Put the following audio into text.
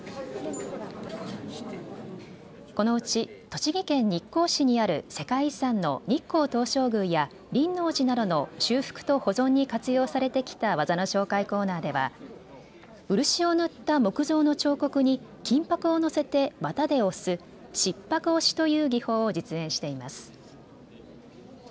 このうち栃木県日光市にある世界遺産の日光東照宮や輪王寺などの修復と保存に活用されてきた技の紹介コーナーでは漆を塗った木造の彫刻に金ぱくを載せて綿で押す漆箔押しという技法を実演しています。